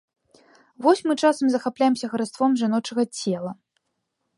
Вось мы часам захапляемся хараством жаночага цела.